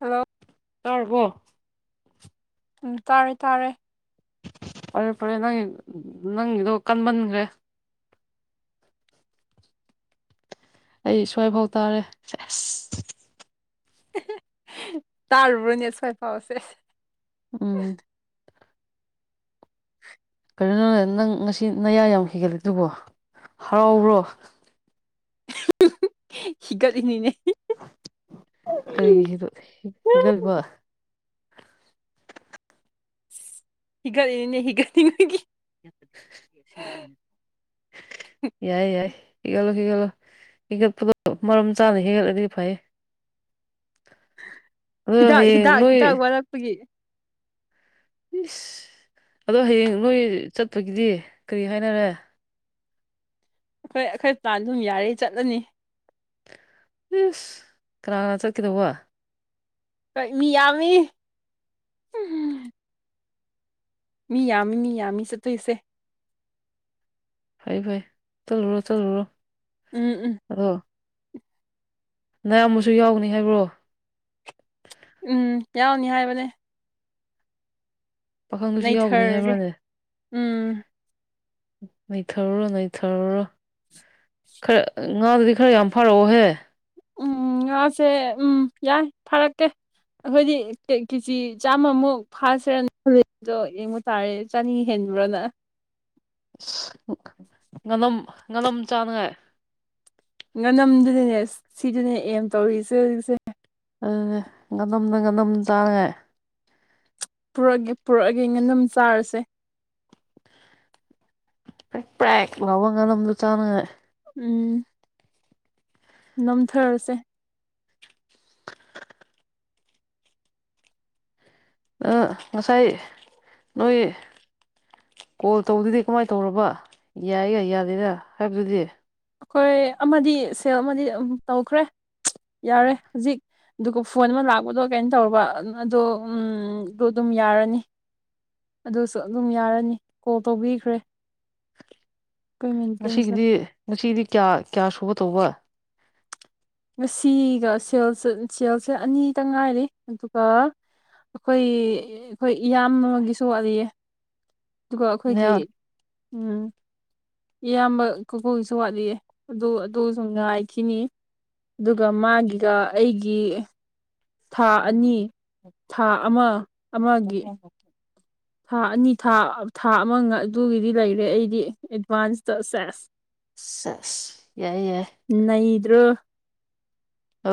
Hello ꯇꯔꯔꯕꯣ ꯎꯝ ꯇꯥꯔꯦ ꯇꯥꯔꯦ ꯐꯔꯦ ꯐꯔꯦ ꯅꯪ ꯅꯪꯒꯤꯗꯣ ꯀꯟꯃꯟꯈ꯭ꯔꯦ ꯑꯩ ꯁ꯭ꯋꯥꯏꯐꯥꯎ ꯇꯥꯔꯦ ꯑꯁ ꯇꯥ ꯎꯨꯔꯅꯤꯁꯥꯏ ꯄꯥꯎꯁꯦ ꯎꯝ ꯀꯔꯤꯩꯅꯣ ꯅꯪ ꯅꯪ ꯉꯁꯤ ꯅꯌꯥ ꯌꯥꯝ ꯍꯤꯒꯠꯂꯦ ꯑꯗꯨꯕꯣ ꯍꯔꯥꯎꯕ꯭ꯔꯣ ꯁꯤꯤꯒꯗꯤꯅꯤꯅꯦ ꯀꯔꯤ [unintelligible] ꯍꯤꯒꯠꯂꯤꯅꯤ ꯍꯤꯒꯠꯅꯤꯡꯕꯒꯤ [inaudible] ꯌꯥꯏ ꯌꯥꯏ ꯏꯒꯂꯣ ꯁꯤꯒꯂꯣ ꯏꯒ ꯃꯔꯝ ꯆꯥꯅ ꯍꯦꯟꯒꯠꯂꯗꯤ ꯐꯩ ꯑꯗꯣ ꯍꯤꯗꯥꯛ ꯍꯌꯦꯡ ꯍꯤꯗꯥꯛ ꯅꯣꯏ ꯍꯤꯗꯥꯛ ꯋꯥꯔꯛꯄꯒꯤ ꯏꯁꯁ ꯑꯗꯣ ꯍꯌꯦꯡ ꯅꯣꯏ ꯆꯠꯄꯒꯤꯗꯤ ꯀꯔꯤ ꯍꯥꯏꯅꯔꯦ ꯑꯩꯈꯣꯏ ꯑꯩꯈꯣꯏ ꯄꯥꯟ ꯑꯗꯨꯝ ꯌꯥꯔ ꯆꯠꯂꯅꯤ ꯏꯁꯁ ꯀꯅꯥ ꯀꯅꯥ ꯆꯠꯀꯗꯧꯕ ꯀ ꯃꯤ ꯌꯥꯃꯤ ꯃꯤ ꯌꯥꯝꯃꯤ ꯃꯤ ꯌꯥꯝꯃꯤ ꯆꯠꯇꯣꯏꯁꯦ ꯐꯩ ꯐꯥꯏ ꯆꯂꯨꯔꯣ ꯆꯂꯨꯔꯣ ꯎꯝ ꯎꯝ ꯅꯌꯥꯝꯕꯨ ꯌꯥꯎꯒꯅꯤ ꯍꯥꯏꯕ꯭ꯔꯣ ꯎꯝ ꯀꯌꯥꯎꯅꯤ ꯍꯥꯏꯥꯏꯕꯅꯦ ꯄꯥꯈꯪꯗꯨꯁꯨ ꯌꯥꯎꯒꯅꯤ ꯅꯩꯊꯔꯒꯦ ꯍꯥꯏꯕ꯭ꯔꯥꯅꯦ ꯎꯝ ꯅꯊꯔꯣ ꯅꯊꯔꯔꯣ ꯈꯔ ꯉꯥꯗꯨꯗꯤ ꯈꯔ ꯌꯥꯝ ꯐꯔꯛꯑꯣꯍꯦ ꯎꯝ ꯉꯁꯦ ꯎꯝ ꯌꯥꯏ ꯐꯔꯛꯀꯦ ꯑꯩꯈꯣꯏꯗꯤ ꯀꯦꯖꯤ ꯆꯥꯝꯃꯃꯨꯛ ꯐꯔ ꯔꯟ ꯑꯗꯣ ꯌꯦꯡꯕ ꯇꯥꯔꯦ ꯆꯅꯤ ꯍꯦꯟꯅꯤ ꯭ꯔꯅ ꯉꯅꯝ ꯉꯅꯝ ꯆꯥꯅꯉꯥꯏ ꯉꯅꯝꯗꯨꯅꯦꯅꯦ ꯁꯤꯗꯅꯦ ꯑꯦꯝ ꯇꯧꯔꯤꯁꯦ ꯍꯧꯖꯤꯛꯁꯦ ꯑꯗꯨ ꯉꯅꯝꯅ ꯉꯅꯝ ꯇꯥꯡꯉꯦ ꯄꯨꯔꯛꯑꯦ ꯄꯨꯔꯛꯑꯒꯦ ꯉꯥꯅꯝ ꯆꯥꯔꯁꯦ ꯄ꯭ꯔꯦꯛ ꯄ꯭ꯔꯦꯛ ꯂꯥꯎꯕ ꯉꯥꯅꯂꯝꯝꯗ ꯆꯥꯅꯉꯥꯏ ꯎꯝ ꯅꯝꯊꯔꯁꯦ ꯉꯁꯥꯏ ꯅꯣꯏ ꯀꯣꯜ ꯇꯧꯗꯨꯗꯤ ꯀꯃꯥꯏꯅ ꯇꯧꯔꯕ ꯌꯥꯏꯒ ꯌꯥꯗꯦꯔ ꯍꯥꯏꯕꯗꯨꯗꯤ ꯑꯩꯈꯣꯏ ꯑꯃꯗꯤ ꯁꯦꯜ ꯑꯃꯗꯤꯝ ꯇꯧꯈ꯭ꯔꯦ ꯌꯥꯔꯦ ꯍꯧꯖꯤꯛ ꯑꯗꯨꯒ ꯐꯣꯟ ꯑꯃ ꯂꯥꯛꯄꯗꯣ ꯀꯩꯅꯣ ꯇꯧꯔꯕ ꯑꯗꯨꯗ ꯑꯗꯨꯝ ꯌꯥꯔꯅꯤ ꯑꯗꯨꯁꯨ ꯑꯗꯨꯝ ꯌꯥꯔꯅꯤ ꯀꯣꯜ ꯇꯧꯕꯤꯈ꯭ꯔꯦ ꯑꯩꯈꯣꯏ ꯃꯦꯟꯇꯦꯟꯁꯅ ꯉꯁꯤꯒꯤꯗꯤ ꯉꯁꯤꯗꯤ ꯀꯌꯥ ꯀꯌꯥ ꯁꯨꯕ ꯇꯧꯕ ꯉꯁꯤꯒ ꯁꯦꯜꯁꯦ ꯁꯦꯜꯁꯦ ꯑꯅꯤꯇ ꯉꯥꯏꯔꯤ ꯑꯗꯨꯒ ꯑꯈꯣꯏ ꯑꯈꯣꯏ ꯏꯌꯥꯝꯕꯃꯒꯤꯁꯨ ꯋꯥꯠꯂꯤꯌꯦ ꯑꯗꯨꯒ ꯑꯩꯈꯣꯏꯒꯤ ꯅꯌꯥ ꯎꯝ ꯏꯌꯥꯝꯕ ꯀꯨꯀꯨꯒꯤꯁꯨ ꯋꯥꯠꯂꯤꯌꯦ ꯑꯗꯨ ꯑꯗꯨꯖꯨ ꯉꯥꯏꯈꯤꯅꯤ ꯑꯗꯨꯒ ꯃꯥꯒꯤꯒ ꯑꯩꯒꯤ ꯊꯥ ꯑꯅꯤ ꯊꯥ ꯑꯃ ꯑꯃꯒꯤ ꯊꯥ ꯑꯅꯤ ꯊꯥ ꯊꯥ ꯑꯃ ꯉ ꯑꯗꯨꯒꯤꯗꯤ ꯂꯩꯔꯦ ꯑꯩꯒꯤ ꯑꯦꯗꯚꯥꯟꯁꯇ ꯁꯦꯁ ꯁꯦꯁ ꯌꯥꯏ ꯌꯥꯏ ꯅꯩꯗ꯭ꯔꯣ ꯑ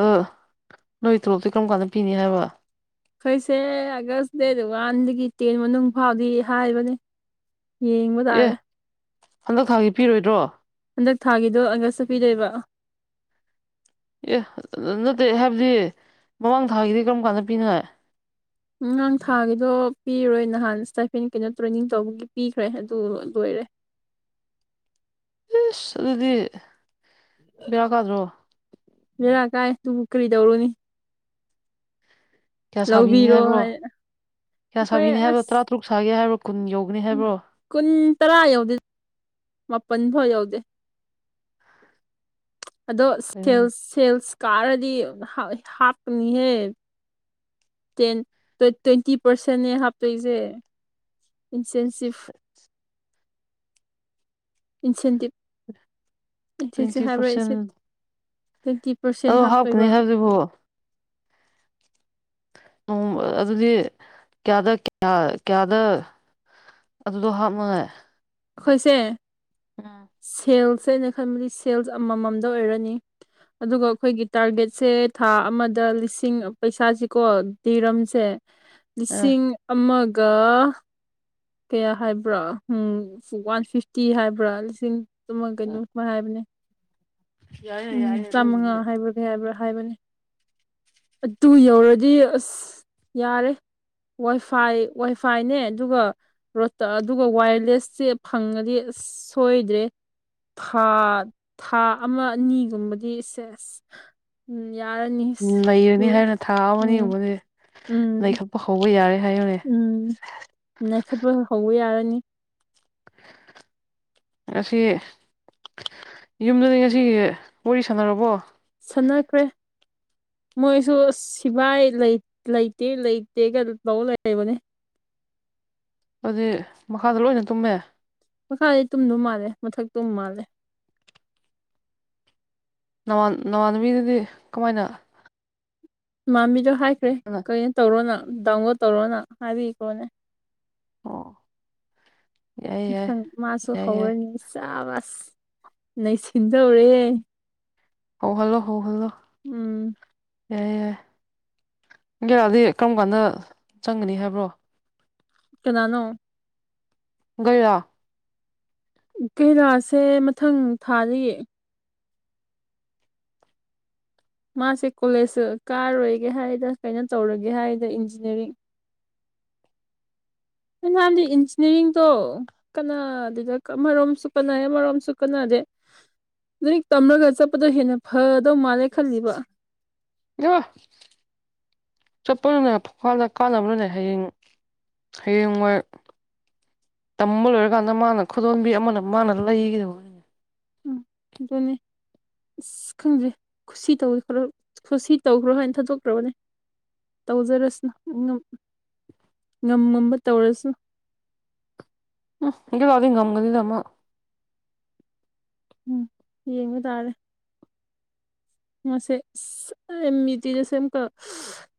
ꯅꯣꯏ ꯇꯂꫭꯞꯇꯤ ꯀꯔꯝ ꯀꯥꯟꯗ ꯄꯤꯅꯤ ꯍꯥꯏꯕ ꯑꯩꯈꯣꯏꯁꯦ ꯑꯥꯒꯁ ꯗꯦꯠ ꯋꯥꯟꯗꯒꯤ ꯇꯦꯟ ꯃꯅꯨꯡ ꯐꯥꯎꯗꯤ ꯍꯥꯏꯕꯅꯦ ꯌꯦꯡꯕ ꯑꯦ ꯗꯥꯔꯦ ꯍꯟꯗꯛ ꯊꯥꯒꯤ ꯄꯤꯔꯣꯏꯗ꯭ꯔꯣ ꯍꯟꯗꯛ ꯊꯥꯒꯤꯗꯣ ꯑꯥꯒꯁꯇ ꯄꯤꯗꯣꯏꯕ ꯑꯦ ꯅꯠꯇꯦ ꯍꯥꯏꯕꯗꯤ ꯃꯃꯥꯡ ꯊꯥꯒꯤꯗꯤ ꯀꯔꯝ ꯀꯥꯟꯗ ꯄꯤꯅꯥꯏ ꯉꯥꯡ ꯊꯥꯒꯤꯗꯣ ꯄꯤꯔꯣꯏ ꯅꯍꯥꯟ ꯏꯁꯇꯥꯏꯄꯦꯟ ꯀꯩꯅꯣ ꯇ꯭ꯔꯦꯅꯤꯡ ꯇꯧꯕꯒꯤ ꯄꯤꯈ꯭ꯔꯦ ꯑꯗꯨ ꯂꯣꯏꯔꯦ [inaudible] ꯁꯗꯤ ꯂꯩꯦꯔ ꯀꯥꯏ ꯇꯨꯕꯨ ꯀꯔꯤ ꯇꯧꯔꯨꯅꯤ ꯀꯌꯥ ꯁꯥꯕꯤꯅꯤ ꯂꯧꯕꯤꯔꯣ ꯍꯥꯏꯕ꯭ꯔꯣ ꯍꯥꯏ ꯀꯌꯥ ꯑꯩꯈꯣꯏ ꯁꯥꯕꯤꯅꯤ ꯍꯥꯏꯕ꯭ꯔꯣ ꯑꯁ ꯇꯔꯥꯇꯔꯨꯛ ꯁꯥꯒꯦ ꯍꯥꯏꯕ꯭ꯔꯣ ꯀꯨꯟ ꯌꯧꯒꯅꯤ ꯍꯝ ꯍꯥꯏꯕ꯭ꯔꯣ ꯀꯨꯟ ꯇꯥꯔꯥ ꯌꯧꯗꯦ ꯃꯥꯄꯜ ꯐꯥꯎ ꯌꯧꯗꯦ ꯑꯗꯣ ꯁꯦꯜ ꯀꯩꯅꯣꯅꯦ ꯁꯦꯜꯁ ꯀꯥꯔꯗꯤ ꯍꯥ ꯍꯥꯞꯄꯅꯤꯍꯦ ꯇꯦꯟ ꯇꫭ ꯇꫭꯏꯇꯤ ꯄꯥꯔꯁꯦꯟꯅꯦ ꯍꯥꯞꯇꯣꯏꯖꯦ ꯏꯟꯁꯦꯟꯁꯤꯞ ꯏꯟꯁꯦꯟꯇꯤꯞ ꯏꯟꯁꯦꯟꯁꯤ ꯇ꯭ꯋꯦꯟꯇꯤ ꯍꯥꯏꯕ꯭ꯔꯥ ꯏꯟꯁꯦꯞ ꯑ ꯍꯥꯞꯀꯅꯤ ꯍꯥꯏꯕꯗꯨꯕꯨ ꯑꫭꯡ ꯑꯗꯨꯗꯤ ꯀꯌꯥꯗ ꯀꯌꯥ ꯀꯌꯥꯗ ꯑꯗꯨꯗꯣ ꯍꯥꯞꯃꯉꯦ ꯑꯈꫭꯏꯁꯦ ꯑꯥ ꯁꯦ ꯑꯩꯅ ꯈꯟꯕꯗꯤ ꯁꯦꯜꯁ ꯑꯃꯃꯝꯗ ꯑꯣꯏꯔꯅꯤ ꯑꯗꯨꯒ ꯑꯩꯈꯣꯏꯒꯤ ꯇꯥꯔꯒꯦꯠꯁꯦ ꯊꯥ ꯑꯃꯗ ꯂꯤꯁꯤꯡ ꯄꯩꯁꯥꯥꯁꯤꯀꯣ ꯇꯤꯔꯝꯁꯦ ꯑ ꯂꯤꯁꯤꯡ ꯑꯃꯒ ꯀꯌꯥ ꯍꯥꯏꯕ꯭ꯔꫭ ꯎꯝ ꯋꯥꯟ ꯐꯤꯞꯇꯤ ꯍꯥꯏꯕ꯭ꯔꯥ ꯂꯤꯁꯤꯡ ꯇꯨꯃ ꯀꯩꯅꯣ ꯃ ꯍꯥꯏꯕꯅꯦ ꯌꯥꯏꯅꯦ ꯎꯝ ꯌꯥꯏꯅꯦ ꯅꯪꯒꯤꯗꯤ ꯆꯥꯝꯃꯉꯥ ꯍꯥꯏꯕ꯭ꯔ ꯀꯩ ꯍꯥꯏꯕ꯭ꯔꯥ ꯍꯥꯏꯕꯅꯤ ꯑꯗꯨ ꯌꯧꯔꯗꯤ ꯑꯁ ꯌꯥꯔꯦ ꯋꯥꯏ ꯐꯥꯏ ꯋꯥꯏꯐꯥꯏꯅꯦ ꯑꯗꯨꯒ ꯔꯣꯠꯇ ꯑꯗꯨꯒ ꯋꯥꯌꯔꯂꯦꯁꯁꯦ ꯐꯪꯉꯗꯤ ꯁꯣꯏꯗ꯭ꯔꯦ ꯊꯥ ꯊꯥ ꯑꯃ ꯑꯅꯤꯒꯨꯝꯕꯗꯤ ꯁꯦꯁ ꯎꯝ ꯌꯥꯔꯅꯤ ꯅꯩꯔꯅꯤ ꯎꯝ ꯍꯥꯏꯅ ꯊꯥ ꯑꯃꯅꯤ‌ ꯎꯝ ꯒꯨꯝꯕꯗꯤ ꯎꯝ ꯅꯩꯈꯠꯄ ꯍꯧꯕ ꯌꯥꯔꯦ [unintelligible] ꯊꯕꯛ ꯍꯧꯕ ꯌꯥꯔꯅꯤ ꯉꯁꯤ ꯌꯨꯝꯗꯨꯗꯤ ꯉꯁꯤꯒꯤ ꯋꯥꯔꯤ ꯁꯥꯟꯅꯔꯕꯣ ꯁꯥꯝꯅꯈ꯭ꯔꯦ ꯃꯣꯏꯁꯨ ꯁꯤꯕꯥꯏ ꯂꯩ ꯂꯩꯇꯦ ꯂꯩꯇꯦꯒ ꯇꯧ ꯂꯩꯕꯅꯦ ꯑꯗꯨꯏ ꯃꯈꯥꯗ ꯂꯣꯏꯅ ꯇꯨꯝꯃꯦ ꯃꯈꯥꯏ ꯇꯨꯝꯗꯧ ꯃꯥꯜꯂꯦ ꯃꯊꯛꯇꯨꯝ ꯃꯥꯜꯂꯦ ꯅꯃꯥꯟ ꯅꯃꯥꯟꯅꯕꯤꯗꯨꯗꯤ ꯀꯃꯥꯏꯅ ꯃꯃꯤꯗꯣ ꯍꯥꯏꯈ꯭ꯔꯦ ꯀꯩꯅꯣ ꯇꯧꯔꯣꯅ ꯗꯥꯎꯂꯣꯗ ꯇꯧꯔꯣꯅ ꯍꯥꯏꯕꯤꯈ꯭ꯔꯣꯅꯦ ꯑꯣ ꯌꯥꯏꯌꯦ ꯌꯥꯏ ꯃꯊꯪ ꯃꯥꯁꯨ ꯌꯥꯏ ꯌꯥꯏ ꯍꯧꯔꯅꯤ ꯆꯥ ꯅ ꯁꯤꯟꯗꯧꯔꯦ ꯍꯣ ꯍꯜꯂꯣ ꯍꯣ ꯍꯜꯂꯣ ꯎꯝ ꯌꯥꯏꯦ ꯌꯥꯏ ꯦꯔꯥꯗꯤ ꯀꯔꯝ ꯀꯥꯟꯗ ꯆꯪꯒꯅꯤ ꯍꯥꯏꯕ꯭ꯔꯣ ꯀꯅꯥꯅꯣ ꯌꯥ ꯀꯩꯔꯥꯁꯦ ꯃꯊꯪ ꯊꯥꯔꯤꯌꯦ ꯃꯥꯁꯦ ꯀꯣꯂꯦꯖ ꯀꯥꯔꯣꯏꯒꯦ ꯍꯥꯏꯗ ꯀꯩꯅꯣ ꯇꯧꯔꯒꯦ ꯍꯥꯏꯗ ꯏꯟꯖꯤꯅꯤꯌꯥꯔꯤꯡ ꯅꯍꯥꯟꯗꯤ ꯏꯟꯖꯤꯅꯤꯌꯥꯔꯤꯡꯗꯣ ꯀꯅꯥꯗꯨꯗ ꯃꯔꯣꯝꯁꯨ ꯀꯅꯔ ꯃꯔꯣꯝꯁꯨ ꯀꯥꯟꯅꯗ [inaudible] ꯂꯃꯤ ꯇꯝꯂꯒ ꯆꯠꯄꯗꯣ ꯍꯦꯟꯅ ꯐꯗꯧ ꯃꯥꯜꯂꯦ ꯈꯜꯂꯤꯕ [unintelligible] ꯆꯠꯄꯗꯨꯅ ꯐꯪꯐꯜꯗ ꯀꯥꯟꯅꯕꯅꯤꯅꯦ ꯍꯌꯦꯡ ꯋꯥꯏ ꯇꯝꯕ ꯂꯣꯏꯔꯀꯥꯟꯗ ꯃꯥꯅ ꯈꯨꯗꯣꯝꯕꯤ ꯑꯃꯅ ꯃꯥꯅ ꯂꯩꯒꯗ ꯑꯗꯨꯅꯤ ꯑꯁ ꯈꯪꯗ꯭ꯔꯦ ꯈꯨꯁꯤ ꯇꯧꯋꯤ ꯐꯔꯨꯞ ꯈꯨꯁꯤ ꯇꯧꯈ꯭ꯔꯣ ꯍꯥꯏꯅ ꯊꯥꯗꯣꯛꯈ꯭ꯔꯕꯅꯦ ꯇꯧꯖꯔꯁꯅꯨ ꯅꯨ ꯉꯝ ꯉꯝꯕ ꯇꯧꯔꯁꯅꯨ ꯍꯝ ꯍꯦꯡꯒꯩꯕꯥꯎꯗꯤ ꯉꯝꯒꯅꯤꯗ ꯑꯃꯨꯛ ꯎꯝ ꯌꯦꯡꯕ ꯇꯥꯔꯦ ꯃꯥꯁꯦ ꯑꯦꯝ ꯏ ꯇꯤꯁꯦ ꯑꯃꯨꯛꯀ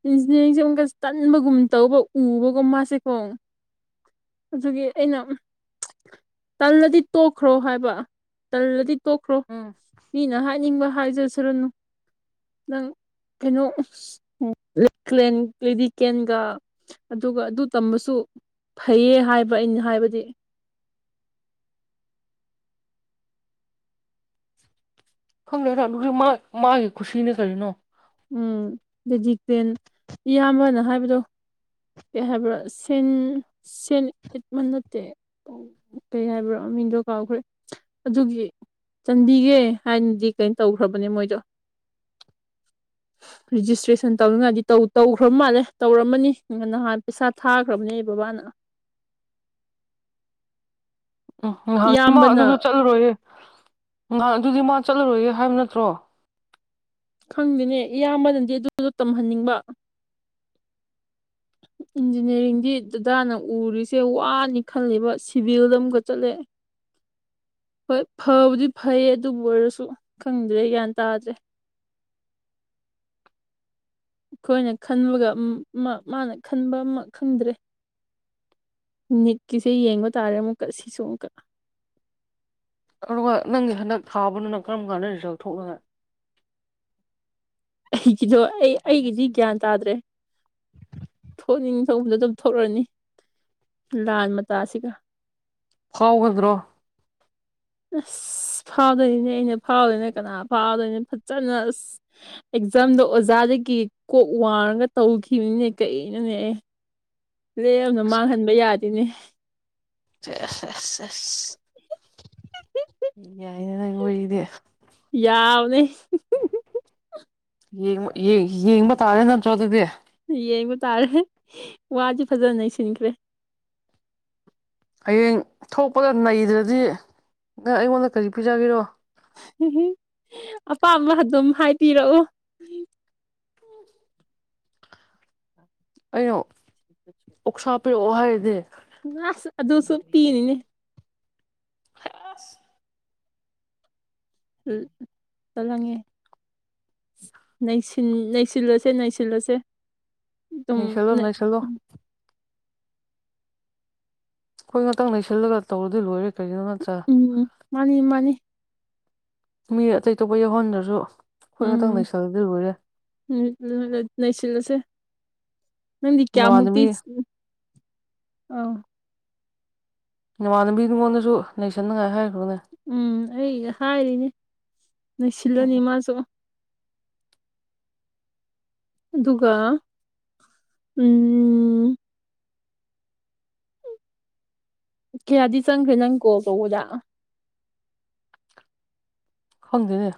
ꯏꯟꯖꯤꯅꯤꯌꯥꯔꯤꯡꯁꯦ ꯑꯃꯨꯛꯀ ꯇꯟꯕꯒꯨꯝ ꯇꯧ ꯇꯧ ꯎꯕꯀꯣ ꯃꯥꯁꯦ ꯀꯣ [inaudible] ꯑꯗꯨꯒꯤ ꯑꯩꯅ ꯇꯜꯂꯗꯤ ꯇꯣꯛꯈ꯭ꯔꯣ ꯍꯥꯏꯕ ꯇꯜꯂꯗꯤ ꯇꯣꯛꯈ꯭ꯔꯣ ꯎꯝ ꯃꯤꯅ ꯍꯥꯏꯅꯤꯡꯕ ꯍꯥꯏꯖꯁꯨꯔꯨꯅꯨ [inaudible] ꯅꯪ ꯀꯩꯅꯣ ꯂꯤꯗꯤꯀꯦꯟꯒ ꯑꯗꯨꯒ ꯑꯗꯨ ꯇꯝꯕꯁꯨ ꯐꯩꯌꯦ ꯍꯥꯏꯕ ꯑꯩꯅ ꯍꯥꯏꯕꯗꯤ [inaudible] ꯈꯪꯗ꯭ꯔꯦꯗ ꯑꯗꯨꯗꯤ ꯃꯥꯒꯤ ꯈꯨꯁꯤꯅꯦ ꯀꯔꯤꯅꯣ ꯎꯝ ꯗꯦꯖꯤ ꯇꯦꯟ ꯏꯌꯥꯝꯕꯅ ꯍꯥꯏꯕꯗꯣ ꯀꯩ ꯍꯥꯏꯕ꯭ꯔꯥ ꯁꯦꯟ ꯁꯦꯟ ꯏꯠꯃ ꯅꯠꯇꯦ ꯀꯩ ꯍꯥꯏꯕ꯭ꯔꯣ ꯃꯤꯡꯗꯣ ꯀꯥꯎꯈ꯭ꯔꯦ ꯑꯗꯨꯒꯤ ꯆꯟꯕꯤꯒꯦ ꯍꯥꯏꯅꯗꯤ ꯀꯩꯅ ꯇꯧꯈ꯭ꯔꯕꯅꯦ ꯃꯣꯏꯗꯣ [inaudible] ꯔꯤꯖꯤꯁꯇ꯭ꯔꯦꯁꯟ ꯇꯧꯅꯤꯡꯉꯥꯏꯗꯤꯧ ꯇꯧꯈ꯭ꯔꯕ ꯃꯥꯜꯂꯦ ꯇꯧꯔꯝꯃꯅꯤ ꯅꯍꯥꯟ ꯄꯩꯁꯥ ꯊꯥꯈ꯭ꯔꯕꯅꯦ ꯕꯥꯕꯥꯅ [inaudible] ꯎꯝ ꯅꯍꯥꯟ ꯃꯥ ꯏꯌꯥꯝꯕꯅ ꯑꯗꯨꯁꯨ ꯆꯠꯂꯔꯣꯏꯌꯦ ꯅꯍꯥꯟ ꯑꯗꯨꯗꯤ ꯃꯥ ꯆꯠꯂꯔꯣꯏꯒꯦ ꯍꯥꯏꯕ ꯅꯠꯇ꯭ꯔꯣ ꯈꯪꯗꯦꯅꯦ ꯏꯌꯥꯝꯕꯅꯗꯤ ꯑꯗꯨꯗꯣ ꯇꯝꯍꯟꯅꯤꯡꯕ [inaudible] ꯏꯟꯖꯤꯅꯤꯌꯥꯔꯤꯡꯗꯤ ꯗꯗꯥꯅ ꯎꯔꯤꯁꯦ ꯋꯥꯅꯤ ꯈꯜꯂꯕ ꯁꯤꯚꯤꯜꯗ ꯑꯃꯀ ꯆꯠꯂꯦ ꯍꯣꯏ ꯐꯕꯨꯗꯤ ꯐꯩꯌꯦ ꯑꯗꯨꯕꯨ ꯑꯣꯏꯔꯁꯨ ꯈꯪꯗ꯭ꯔꯦ ꯒ꯭ꯌꯥꯟ ꯇꯥꯗ꯭ꯔꯦ [inaudible] ꯑꯩꯈꯣꯏꯅ ꯈꯟꯕꯒ ꯃꯥꯅ ꯈꯟꯕ ꯑꯃ ꯈꯪꯗ꯭ꯔꯦ ꯅꯤꯛꯀꯤꯁꯦ ꯌꯦꯡꯕ ꯇꯥꯔꯦ ꯑꯃꯨꯛꯀ ꯁꯤꯁꯨ ꯑꯃꯨꯛꯀ ꯑꯗꯨꯒ ꯅꯪꯒꯤ ꯍꯟꯗꯛ ꯊꯥꯕꯅ ꯅꯪ ꯀꯔꯝ ꯀꯥꯟꯗ ꯔꯤꯖꯜ ꯊꯣꯛꯅꯉꯥꯏ ꯑꯩꯒꯤꯗꯣ ꯑꯩ ꯑꯩꯒꯤꯗꯤ ꯒ꯭ꯌꯥꯟ ꯇꯥꯗ꯭ꯔꯦ ꯊꯣꯛꯅꯤꯡ ꯊꯕꯗ ꯑꯗꯨꯝ ꯊꯣꯛꯂꯛꯅꯤ ꯂꯥꯟ ꯃꯇꯥꯁꯤꯒ ꯐꯥꯎꯒꯗ꯭ꯔꯣ ꯑꯁ ꯑꯁ ꯐꯥꯎꯗꯣꯏꯅꯦ ꯑꯩꯅ ꯐꯥꯎꯗꯣꯏꯅꯦ ꯀꯅꯥ ꯐꯥꯎꯗꯣꯏꯅ ꯐꯖꯅ ꯑꯁ ꯑꯦꯛꯖꯥꯝꯗꯣ ꯑꯣꯖꯥ ꯑꯗꯒꯤ ꯀꯣꯛ ꯋꯥꯔꯒ ꯇꯧꯈꯤꯕꯅꯤꯅꯦ ꯀꯔꯤꯅꯣꯅꯦ ꯑꯩ [inaudible] ꯂꯦꯝꯅ ꯃꯥꯡꯍꯟꯕ ꯌꯥꯗꯦꯅꯦ꯫ ꯌꯥꯏꯅꯦꯅ ꯑꯣꯏꯗ ꯌꯥꯕꯅꯦ ꯌꯦꯡ ꯌꯦꯡꯕ ꯇꯥꯔꯦ ꯅꯁꯨꯣ ꯑꯗꯨꯗꯤ ꯌꯦꯡꯕ ꯇꯥꯔꯦ ꯋꯥꯗꯤ ꯐꯖꯅ ꯅꯩꯁꯤꯟꯈ꯭ꯔꯦ ꯍꯌꯦꯡ ꯊꯣꯛꯄꯒ ꯅꯩꯗ꯭ꯔꯗꯤ ꯅꯪ ꯑꯩꯉꯣꯟꯗ ꯀꯔꯤ ꯄꯤꯖꯒꯔꯣ ꯎ ꯑꯄꯥꯝꯕ ꯑꯗꯨꯝ ꯍꯥꯏꯕꯤꯔꯛꯑꯣ ꯑꯩꯅ ꯑꯣꯛꯁꯥꯞꯄꯤꯤꯔꯛꯑꯣ ꯍꯥꯏꯔꯗꯤ ꯑꯁ ꯑꯗꯨꯁꯨ ꯄꯤꯅꯤꯅꯦ ꯍꯥꯁ ꯎ ꯆꯠꯂꯉꯦ ꯅꯩꯁꯤꯜꯂꯁꯦ ꯅꯩꯁꯤꯜꯂꯁꯦ ꯑꯗꯨꯝ ꯅꯩꯁꯜꯂꯣ ꯅꯩꯁꯜꯂꯣ ꯑꯩꯈꯣꯏ ꯉꯥꯛꯇꯪ ꯅꯩꯁꯤꯜꯂꯒ ꯇꯧꯔꯗꯤ ꯂꯣꯏꯔꯦ ꯀꯔꯤꯅꯣ ꯅꯠꯇ꯭ꯔꯥ ꯎꯝ ꯃꯥꯅꯤ ꯃꯥꯅꯤ ꯃꯤ ꯑꯇꯩ ꯇꯣꯞꯄ ꯌꯧꯍꯟꯗꯁꯨ ꯎꯝ ꯎꯝ ꯅꯁꯤꯜꯂꯁꯦ ꯅꯗꯤ ꯀꯌꯥꯃꯨꯛꯇꯤ ꯅꯃꯥꯟꯅꯕꯤ ꯑ ꯏꯃꯥꯟꯅꯕꯤ ꯉꯣꯟꯗꯁꯨ ꯂꯩꯁꯟꯅꯉꯥꯏ ꯍꯥꯏꯔ ꯎꯝ ꯑꯩ ꯍꯥꯏꯔꯤꯅꯦ ꯅꯨꯡꯁꯤꯜꯂꯅꯤ ꯃꯥꯁꯨ ꯑꯗꯨꯒ ꯎꯝ ꯀꯌꯥꯗꯤ ꯆꯪꯈ꯭ꯔꯦ ꯅꯪ ꯀꯣ ꯀꯧꯕꯗ ꯈꯪꯗꯦꯅꯦ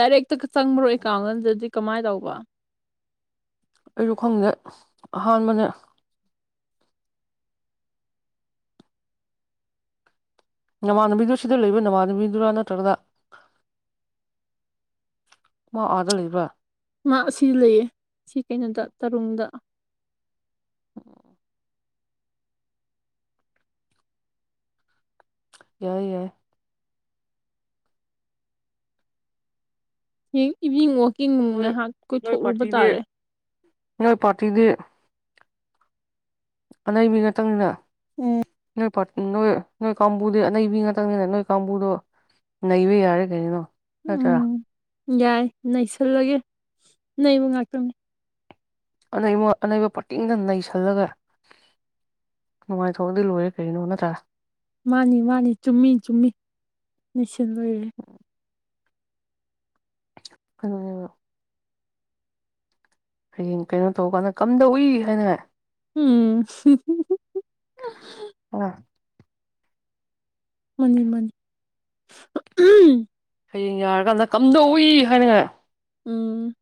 ꯗꯥꯏꯔꯦꯛꯇ ꯆꯪꯕ꯭ꯔꯣꯀꯒꯜꯗꯗꯤ ꯀꯃꯥꯏ ꯇꯧꯕ ꯑꯩꯁꯨ ꯈꯪꯗꯦ ꯑꯍꯥꯟꯕꯅ ꯅꯃꯥꯟꯅꯕꯤꯗꯨ ꯁꯤꯗ ꯂꯩꯕ ꯅꯃꯥꯟꯅꯕꯤꯗꯨꯔꯥ ꯅꯠꯇ꯭ꯔꯒ ꯃꯥ ꯑꯥꯗ ꯂꯩꯕ꯭ꯔꯥ ꯃꯥ ꯑꯁꯤ ꯂꯩꯌꯦ ꯁꯤ ꯀꯩꯅꯣꯗ ꯇꯔꯨꯡꯗ ꯌꯥꯏ ꯌꯥ ꯏꯚꯤꯅꯤꯡ ꯋꯥꯋꯀꯤꯡ ꯅꯣꯏ ꯉꯥꯏꯍꯥꯛ ꯅꯣꯏ ꯀꯣꯏꯊꯣꯛꯂꯨꯕ ꯄꯥꯔꯇꯤꯗꯤ ꯇꯥꯔꯦ ꯅꯣꯏ ꯄꯥꯔꯇꯤꯗꯤ ꯑꯅꯩꯕꯤ ꯅꯥꯛꯇꯪꯅꯤꯅ ꯎꯝ ꯅꯣꯏ ꯅꯣꯏ ꯀꯥꯡꯕꯨꯗꯤ ꯅꯅꯩꯕꯤ ꯉꯥꯛꯇꯪꯅꯤꯅ ꯅꯣꯏ ꯀꯥꯡꯕꯨꯗꯣ ꯅꯩꯕ ꯌꯥꯔꯦ ꯀꯔꯤꯅꯣ ꯑꯆꯥ ꯎꯝ ꯌꯥꯏ ꯅꯩꯁꯜꯂꯒꯦ ꯅꯕꯨ ꯉꯥꯛꯇꯅꯤ ꯑꯅꯩ ꯑꯅꯩꯕ ꯄꯥꯇꯤꯡꯗ ꯅꯩꯁꯜꯂꯒ ꯅꯨꯡꯉꯥꯏꯊꯣꯛꯑꯗꯤ ꯂꯣꯏꯔꯦ ꯀꯔꯤꯅꯣ ꯅꯠꯇ꯭ꯔꯥ ꯃꯥꯅꯤ ꯃꯥꯅꯤ ꯆꯨꯝꯃꯤ ꯆꯨꯝꯃꯤ ꯅꯨꯡꯁꯤ ꯑꯣꯏꯣꯏꯔꯦ ꯑꯣ ꯍꯌꯦꯡ ꯀꯩꯅꯣ ꯇꯧꯔꯀꯥꯟꯗ ꯀꯝꯗꯧ ꯎꯏ ꯍꯥꯏꯅ ꯎꯝ ꯁꯤ ꯑ ꯃꯥꯅꯤ ꯃꯥꯅꯤ [unintelligible] ꯍꯌꯦꯡ ꯌꯥꯔꯀꯥꯟꯗ ꯀꯝꯗꯧꯏ ꯍꯥꯏꯅꯤꯡꯉꯥꯏ ꯎꯝ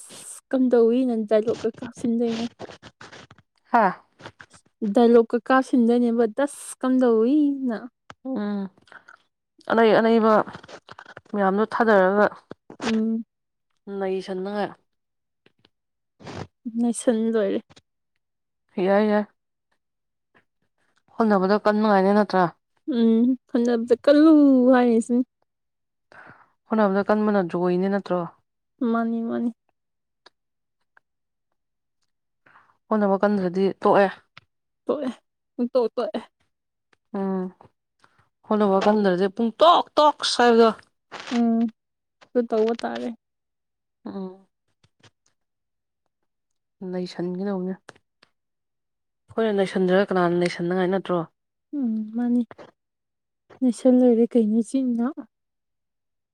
ꯁ ꯀꯝꯗꯧꯋꯤꯅ ꯗꯥꯏꯂꯣꯛ ꯀꯩ ꯀꯥ ꯁꯤꯟꯗꯣꯏꯅꯦ ꯍꯥ ꯗꯥꯏꯂꯣꯛ ꯀ ꯀꯥꯞꯁꯤꯟꯗꯣꯏꯅꯦꯕ ꯗꯁ ꯀꯝꯗꯧꯋꯤꯅ ꯎꯝ ꯑꯅꯩ ꯑꯅꯩꯕ ꯃꯌꯥꯝꯗꯨꯣ ꯊꯥꯗꯔꯒ ꯎꯝ ꯂꯩꯁꯟꯉꯥꯏ ꯅꯁꯟ ꯂꯣꯏꯔꯦ ꯌꯥꯏ ꯌꯥꯏ ꯍꯣꯠꯅꯕꯗꯣ ꯀꯟꯅ ꯅꯨꯡꯉꯥꯏꯅꯦ ꯅꯠꯇ꯭ꯔꯥ ꯎꯝ ꯈꯟꯖꯅꯕꯗ ꯀꯜꯂꯨ ꯍꯥꯏꯔꯤꯁꯤꯅꯦ ꯍꯣꯠꯅꯕꯗ ꯀꯟꯕꯅ ꯖꯣꯏꯅꯦ ꯅꯠꯇ꯭ꯔꯣ ꯃꯥꯅꯤ ꯃꯥꯅꯤ ꯍꯣꯠꯅꯕ ꯀꯟꯗꯗꯤ ꯇꯣꯛꯑꯦ ꯑꯦ ꯇ ꯑꯦ ꯎꯝ ꯍꯜꯂꯣꯕ ꯈꯟꯊꯔꯁꯦ ꯄꯨꯡ ꯇꯣꯛ ꯇꯣꯛ ꯁꯕꯗ ꯎꯝ ꯁ ꯇꯧꯕ ꯇꯥꯔꯦ ꯑꯥ [unintelligible] ꯂꯩꯁꯟꯒꯗꯧꯅꯦ ꯑꯩꯈꯣꯏꯅ ꯂꯩꯁꯟꯗ꯭ꯔꯒ ꯀꯅꯥꯅ ꯂꯩꯁꯟꯅꯉꯥꯏ ꯅꯠꯇ꯭ꯔꯣ ꯎꯝ ꯃꯥꯅꯤ ꯅꯣꯏꯁꯟ ꯂꯣꯏꯔꯦ ꯀꯩꯅꯤꯆꯤꯅ